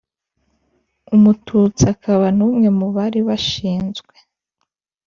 umututsi akaba n'umwe mu bari bashinzwe